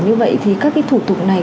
như vậy thì các thủ tục này